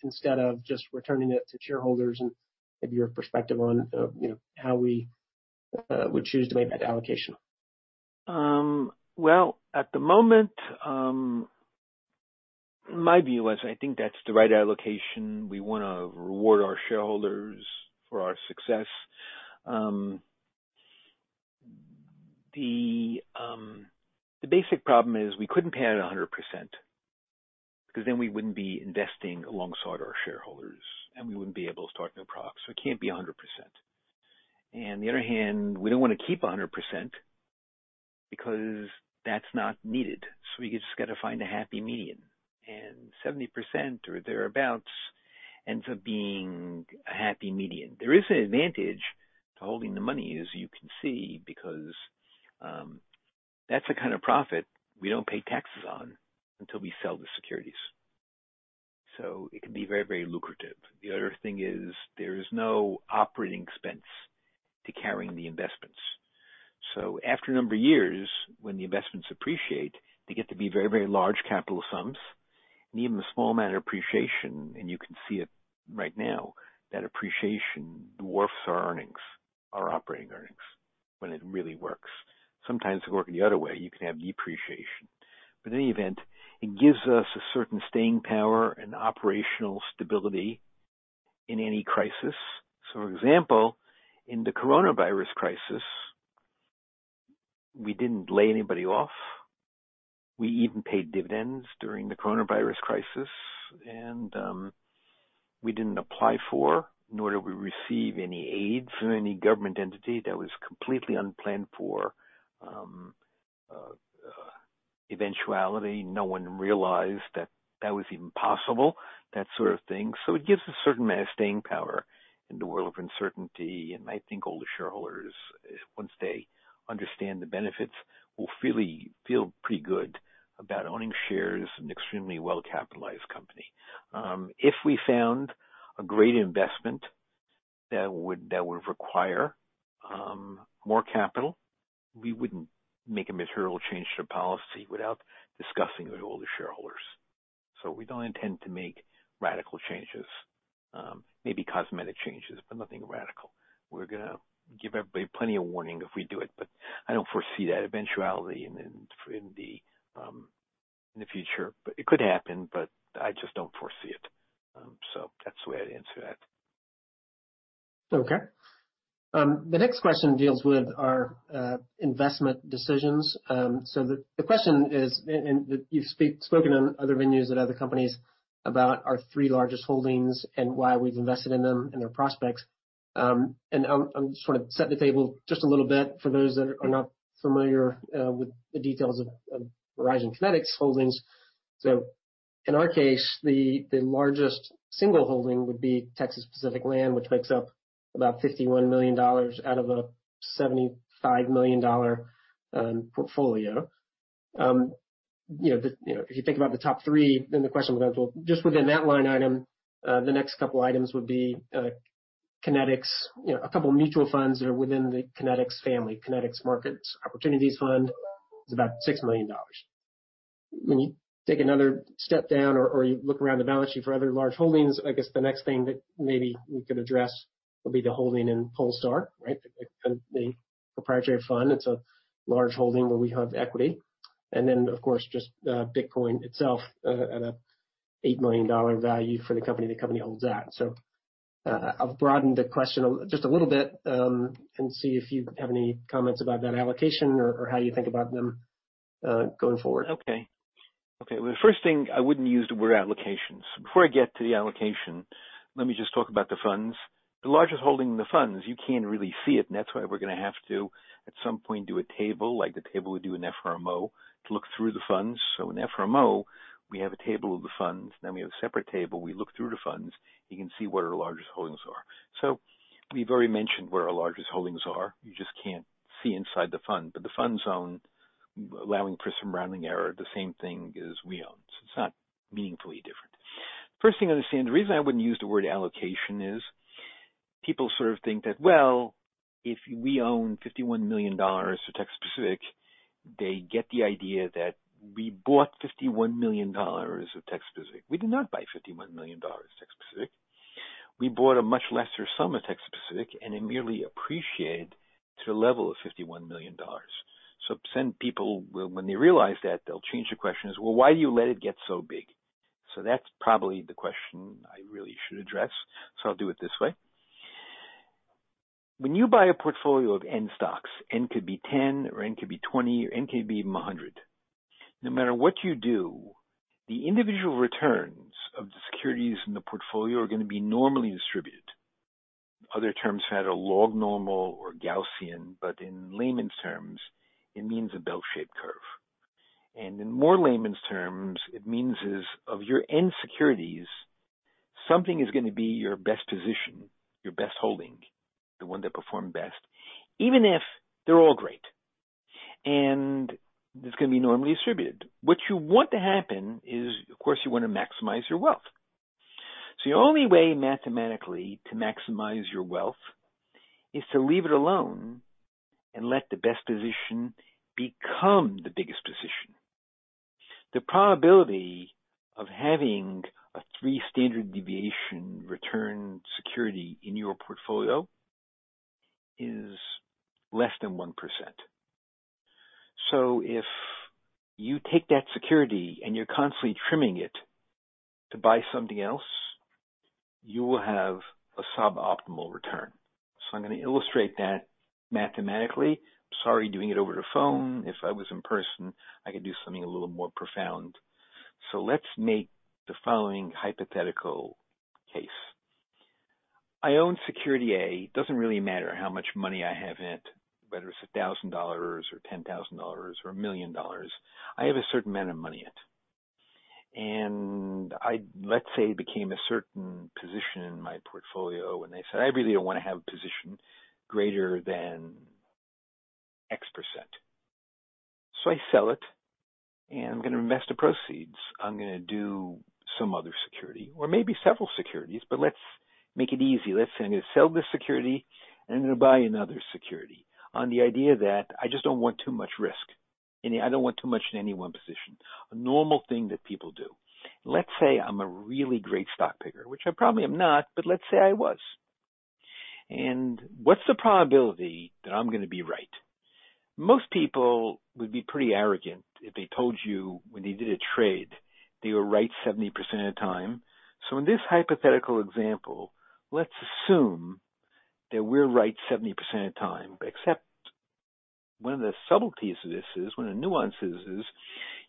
instead of just returning it to shareholders? And maybe your perspective on how we would choose to make that allocation. At the moment, my view is I think that's the right allocation. We want to reward our shareholders for our success. The basic problem is we couldn't pay it 100% because then we wouldn't be investing alongside our shareholders, and we wouldn't be able to start new products. So it can't be 100%, and on the other hand, we don't want to keep 100% because that's not needed, so we just got to find a happy medium, and 70% or thereabouts ends up being a happy medium. There is an advantage to holding the money, as you can see, because that's the kind of profit we don't pay taxes on until we sell the securities, so it can be very, very lucrative. The other thing is there is no operating expense to carrying the investments. So after a number of years, when the investments appreciate, they get to be very, very large capital sums. And even a small amount of appreciation, and you can see it right now, that appreciation dwarfs our earnings, our operating earnings, when it really works. Sometimes it can work the other way. You can have depreciation. But in any event, it gives us a certain staying power and operational stability in any crisis. So for example, in the coronavirus crisis, we didn't lay anybody off. We even paid dividends during the coronavirus crisis. And we didn't apply for, nor did we receive any aid from any government entity. That was completely unplanned for eventuality. No one realized that that was even possible, that sort of thing. So it gives a certain amount of staying power in the world of uncertainty. And I think all the shareholders, once they understand the benefits, will feel pretty good about owning shares in an extremely well-capitalized company. If we found a great investment that would require more capital, we wouldn't make a material change to policy without discussing it with all the shareholders. So we don't intend to make radical changes, maybe cosmetic changes, but nothing radical. We're going to give everybody plenty of warning if we do it. But I don't foresee that eventuality in the future. But it could happen, but I just don't foresee it. So that's the way I'd answer that. Okay. The next question deals with our investment decisions. So the question is, and you've spoken on other venues at other companies about our three largest holdings and why we've invested in them and their prospects. And I'm just going to set the table just a little bit for those that are not familiar with the details of Horizon Kinetics Holdings. So in our case, the largest single holding would be Texas Pacific Land, which makes up about $51 million out of a $75 million portfolio. If you think about the top three, then the question would go, well, just within that line item, the next couple of items would be Kinetics, a couple of mutual funds that are within the Kinetics family, Kinetics Market Opportunities Fund. It's about $6 million. When you take another step down or you look around the balance sheet for other large holdings, I guess the next thing that maybe we could address would be the holding in Polestar, right? The proprietary fund. It's a large holding where we have equity. And then, of course, just Bitcoin itself at an $8 million value for the company the company holds at. So I've broadened the question just a little bit and see if you have any comments about that allocation or how you think about them going forward. Okay. Okay. Well, the first thing, I wouldn't use the word allocations. Before I get to the allocation, let me just talk about the funds. The largest holding in the funds, you can't really see it, and that's why we're going to have to, at some point, do a table like the table we do in FRMO to look through the funds, so in FRMO, we have a table of the funds, then we have a separate table. We look through the funds. You can see what our largest holdings are. So we've already mentioned where our largest holdings are. You just can't see inside the fund, but the funds own, allowing for some rounding error, the same thing as we own, so it's not meaningfully different. The first thing I understand, the reason I wouldn't use the word allocation is people sort of think that, well, if we own $51 million of Texas Pacific, they get the idea that we bought $51 million of Texas Pacific. We did not buy $51 million of Texas Pacific. We bought a much lesser sum of Texas Pacific and it merely appreciated to the level of $51 million. So some people, when they realize that, they'll change their questions, "Well, why do you let it get so big?" So that's probably the question I really should address. So I'll do it this way. When you buy a portfolio of N stocks, N could be 10, or N could be 20, or N could be 100. No matter what you do, the individual returns of the securities in the portfolio are going to be normally distributed. Other terms have a log-normal or Gaussian, but in layman's terms, it means a bell-shaped curve. And in more layman's terms, it means of your N securities, something is going to be your best position, your best holding, the one that performed best, even if they're all great. And it's going to be normally distributed. What you want to happen is, of course, you want to maximize your wealth. So the only way mathematically to maximize your wealth is to leave it alone and let the best position become the biggest position. The probability of having a three-standard-deviation return security in your portfolio is less than 1%. So if you take that security and you're constantly trimming it to buy something else, you will have a suboptimal return. So I'm going to illustrate that mathematically. I'm sorry doing it over the phone. If I was in person, I could do something a little more profound. So let's make the following hypothetical case. I own security A. It doesn't really matter how much money I have in it, whether it's $1,000 or $10,000 or $1 million. I have a certain amount of money in it. And let's say it became a certain position in my portfolio, and they said, "I really don't want to have a position greater than X%." So I sell it, and I'm going to invest the proceeds. I'm going to do some other security or maybe several securities, but let's make it easy. Let's say I'm going to sell this security, and I'm going to buy another security on the idea that I just don't want too much risk. I don't want too much in any one position. A normal thing that people do. Let's say I'm a really great stock picker, which I probably am not, but let's say I was, and what's the probability that I'm going to be right? Most people would be pretty arrogant if they told you when they did a trade, they were right 70% of the time, so in this hypothetical example, let's assume that we're right 70% of the time, except one of the subtleties of this is one of the nuances is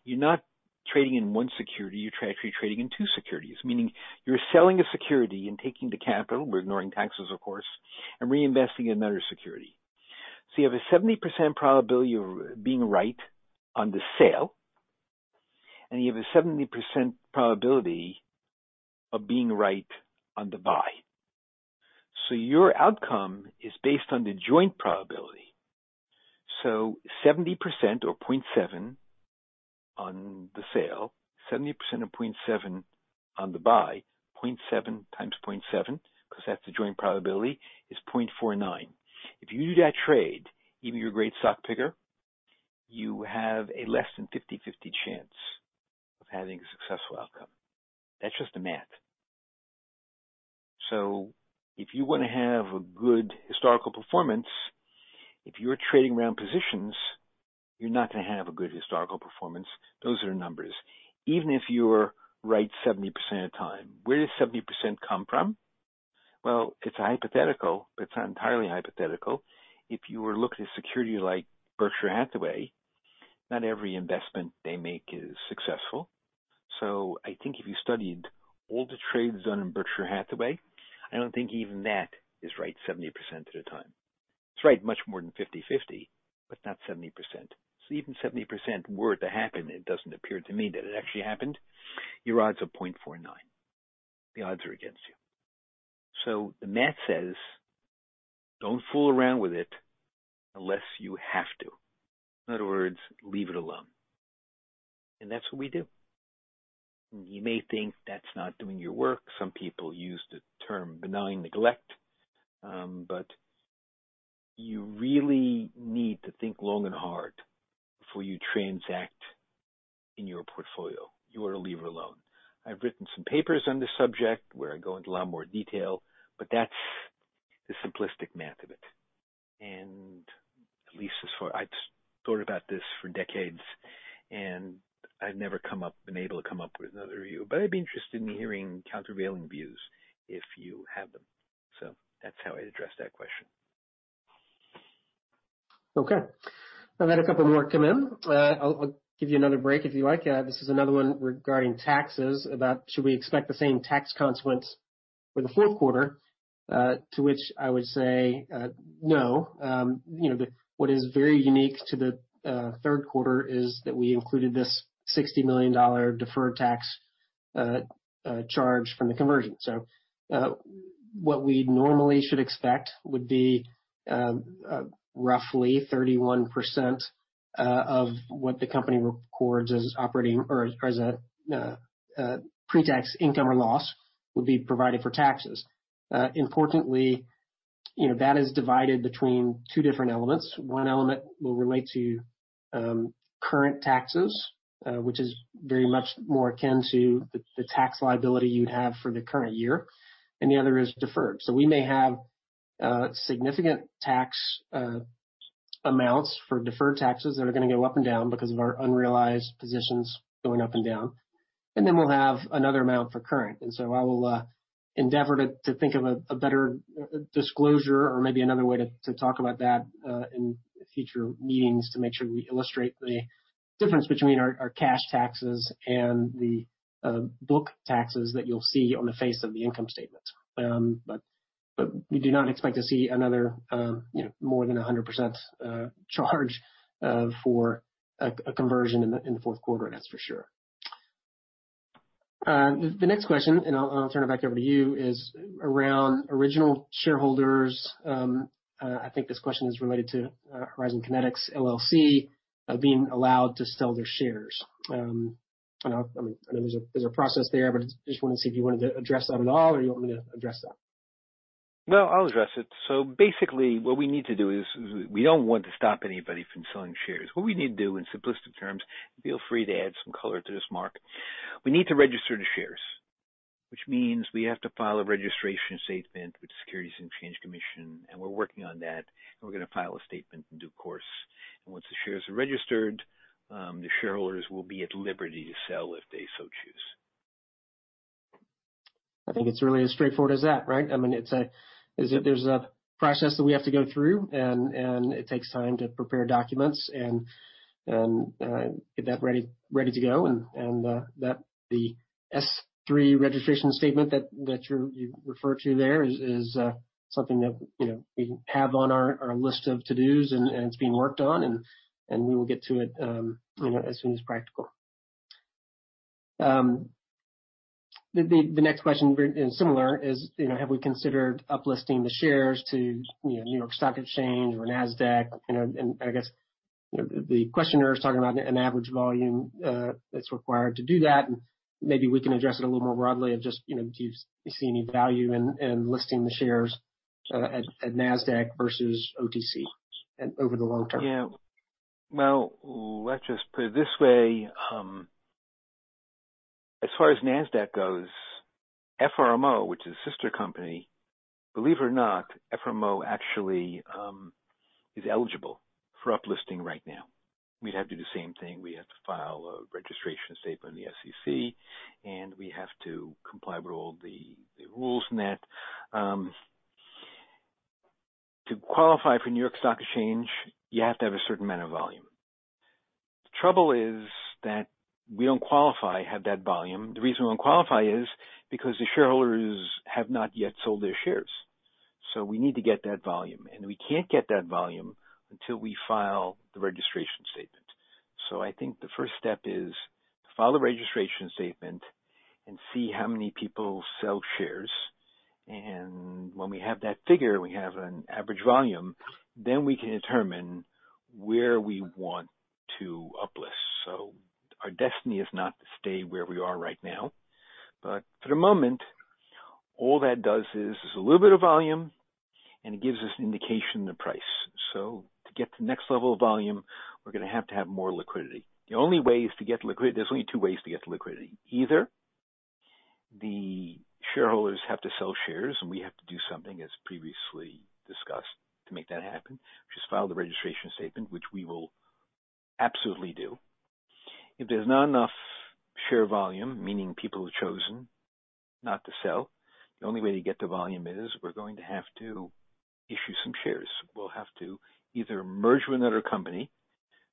you're not trading in one security. You're actually trading in two securities, meaning you're selling a security and taking the capital, we're ignoring taxes, of course, and reinvesting in another security, so you have a 70% probability of being right on the sale, and you have a 70% probability of being right on the buy, so your outcome is based on the joint probability. So, 70% or 0.7 on the sale, 70% or 0.7 on the buy, 0.7 times 0.7, because that's the joint probability, is 0.49. If you do that trade, even if you're a great stock picker, you have a less than 50/50 chance of having a successful outcome. That's just math. So if you want to have a good historical performance, if you're trading round positions, you're not going to have a good historical performance. Those are numbers. Even if you're right 70% of the time, where does 70% come from? Well, it's a hypothetical, but it's not entirely hypothetical. If you were to look at a security like Berkshire Hathaway, not every investment they make is successful. So I think if you studied all the trades done in Berkshire Hathaway, I don't think even that is right 70% of the time. It's right much more than 50/50, but not 70%. Even 70% were to happen, it doesn't appear to me that it actually happened. Your odds are 0.49. The odds are against you. The math says, "Don't fool around with it unless you have to." In other words, leave it alone. That's what we do. You may think that's not doing your work. Some people use the term benign neglect, but you really need to think long and hard before you transact in your portfolio. You want to leave it alone. I've written some papers on the subject where I go into a lot more detail, but that's the simplistic math of it. At least as far as I've thought about this for decades, I've never been able to come up with another view. I'd be interested in hearing countervailing views if you have them. That's how I address that question. Okay. I've had a couple more come in. I'll give you another break if you like. This is another one regarding taxes, about should we expect the same tax consequence for the fourth quarter, to which I would say no. What is very unique to the third quarter is that we included this $60 million deferred tax charge from the conversion. So what we normally should expect would be roughly 31% of what the company records as operating or as a pretax income or loss would be provided for taxes. Importantly, that is divided between two different elements. One element will relate to current taxes, which is very much more akin to the tax liability you'd have for the current year, and the other is deferred. So we may have significant tax amounts for deferred taxes that are going to go up and down because of our unrealized positions going up and down. And then we'll have another amount for current. And so I will endeavor to think of a better disclosure or maybe another way to talk about that in future meetings to make sure we illustrate the difference between our cash taxes and the book taxes that you'll see on the face of the income statement. But we do not expect to see another more than 100% charge for a conversion in the fourth quarter, that's for sure. The next question, and I'll turn it back over to you, is around original shareholders. I think this question is related to Horizon Kinetics LLC being allowed to sell their shares. I mean, I know there's a process there, but I just wanted to see if you wanted to address that at all or you want me to address that. No, I'll address it. So basically, what we need to do is we don't want to stop anybody from selling shares. What we need to do in simplistic terms, and feel free to add some color to this, Mark, we need to register the shares, which means we have to file a registration statement with the Securities and Exchange Commission, and we're working on that. And we're going to file a statement in due course. And once the shares are registered, the shareholders will be at liberty to sell if they so choose. I think it's really as straightforward as that, right? I mean, there's a process that we have to go through, and it takes time to prepare documents and get that ready to go. And the S-3 registration statement that you refer to there is something that we have on our list of to-dos, and it's being worked on, and we will get to it as soon as practical. The next question is similar. Have we considered uplisting the shares to New York Stock Exchange or NASDAQ? And I guess the questioner is talking about an average volume that's required to do that. And maybe we can address it a little more broadly of just do you see any value in listing the shares at NASDAQ versus OTC over the long term? Yeah. Well, let's just put it this way. As far as NASDAQ goes, FRMO, which is a sister company, believe it or not, FRMO actually is eligible for uplisting right now. We'd have to do the same thing. We have to file a registration statement in the SEC, and we have to comply with all the rules in that. To qualify for New York Stock Exchange, you have to have a certain amount of volume. The trouble is that we don't qualify to have that volume. The reason we don't qualify is because the shareholders have not yet sold their shares. So we need to get that volume. And we can't get that volume until we file the registration statement. So I think the first step is to file the registration statement and see how many people sell shares. And when we have that figure, we have an average volume, then we can determine where we want to uplist. So our destiny is not to stay where we are right now. But for the moment, all that does is there's a little bit of volume, and it gives us an indication of the price. So to get to the next level of volume, we're going to have to have more liquidity. The only way is to get liquidity. There's only two ways to get the liquidity. Either the shareholders have to sell shares, and we have to do something as previously discussed to make that happen, which is file the registration statement, which we will absolutely do. If there's not enough share volume, meaning people have chosen not to sell, the only way to get the volume is we're going to have to issue some shares. We'll have to either merge with another company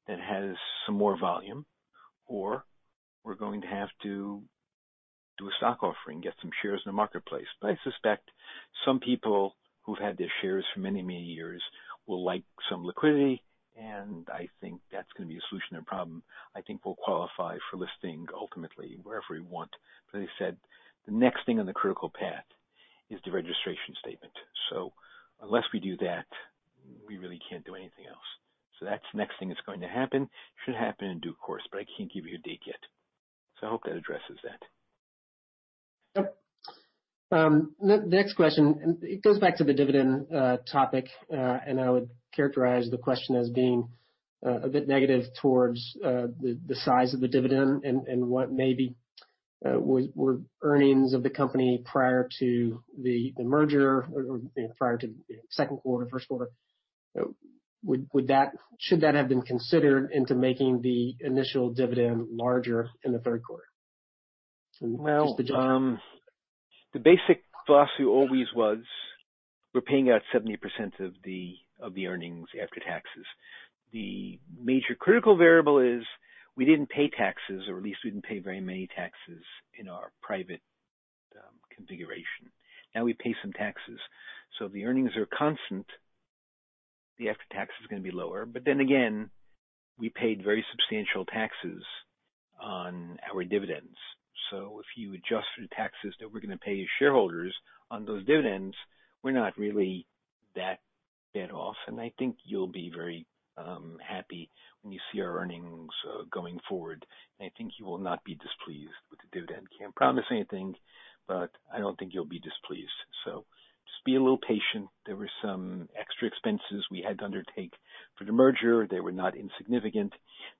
that has some more volume, or we're going to have to do a stock offering, get some shares in the marketplace. But I suspect some people who've had their shares for many, many years will like some liquidity. And I think that's going to be a solution to the problem. I think we'll qualify for listing ultimately wherever we want. But as I said, the next thing on the critical path is the registration statement. So unless we do that, we really can't do anything else. So that's the next thing that's going to happen. It should happen in due course, but I can't give you a date yet. So I hope that addresses that. Yep. The next question, it goes back to the dividend topic, and I would characterize the question as being a bit negative towards the size of the dividend and what maybe were earnings of the company prior to the merger or prior to the second quarter, first quarter. Should that have been considered into making the initial dividend larger in the third quarter? The basic philosophy always was we're paying out 70% of the earnings after taxes. The major critical variable is we didn't pay taxes, or at least we didn't pay very many taxes in our private configuration. Now we pay some taxes. So if the earnings are constant, the after-tax is going to be lower. But then again, we paid very substantial taxes on our dividends. So if you adjust for the taxes that we're going to pay shareholders on those dividends, we're not really that bad off. And I think you'll be very happy when you see our earnings going forward. And I think you will not be displeased with the dividend. Can't promise anything, but I don't think you'll be displeased. So just be a little patient. There were some extra expenses we had to undertake for the merger. They were not insignificant.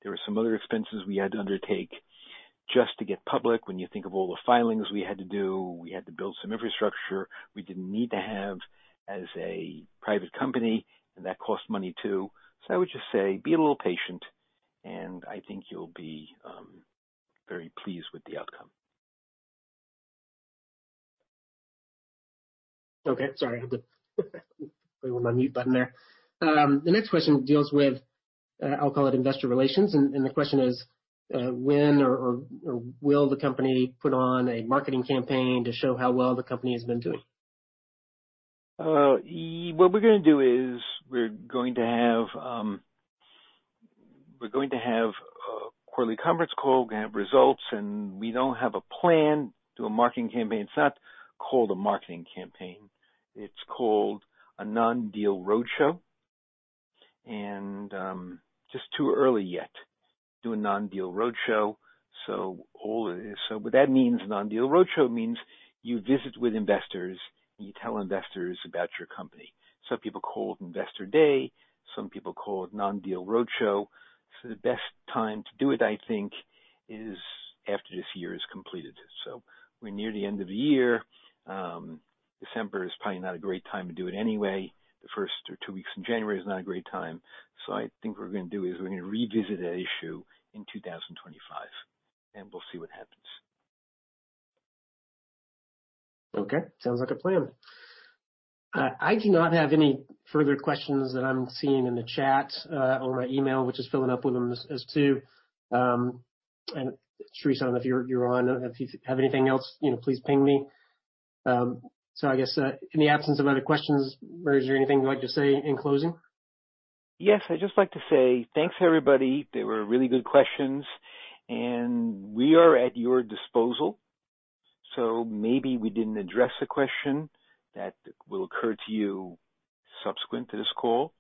There were some other expenses we had to undertake just to get public. When you think of all the filings we had to do, we had to build some infrastructure we didn't need to have as a private company, and that cost money too, so I would just say be a little patient, and I think you'll be very pleased with the outcome. Okay. Sorry. I had the unmute button there. The next question deals with, I'll call it investor relations. And the question is, when or will the company put on a marketing campaign to show how well the company has been doing? What we're going to do is we're going to have a quarterly conference call. We're going to have results, and we don't have a plan to do a marketing campaign. It's not called a marketing campaign. It's called a non-deal roadshow and just too early yet to do a non-deal roadshow. So what that means, non-deal roadshow means you visit with investors, and you tell investors about your company. Some people call it investor day. Some people call it non-deal roadshow. So the best time to do it, I think, is after this year is completed. So we're near the end of the year. December is probably not a great time to do it anyway. The first or two weeks in January is not a great time. So I think what we're going to do is we're going to revisit that issue in 2025, and we'll see what happens. Okay. Sounds like a plan. I do not have any further questions that I'm seeing in the chat or my email, which is filling up with them as well. And, Therese, I don't know if you're on. If you have anything else, please ping me. So I guess in the absence of other questions, Murray, is there anything you'd like to say in closing? Yes. I'd just like to say thanks, everybody. They were really good questions. And we are at your disposal. So maybe we didn't address a question that will occur to you subsequent to this call.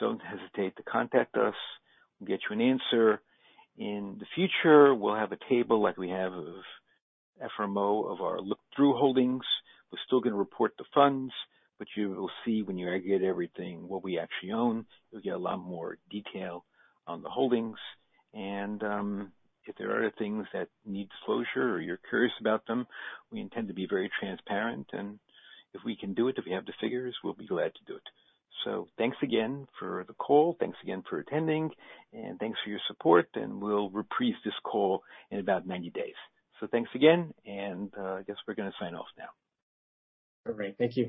Don't hesitate to contact us. We'll get you an answer. In the future, we'll have a table like we have of FRMO of our look-through holdings. We're still going to report the funds, but you will see when you aggregate everything, what we actually own. You'll get a lot more detail on the holdings. And if there are other things that need closure or you're curious about them, we intend to be very transparent. And if we can do it, if we have the figures, we'll be glad to do it. So thanks again for the call. Thanks again for attending. And thanks for your support. And we'll reprise this call in about 90 days. So thanks again. And I guess we're going to sign off now. All right. Thank you.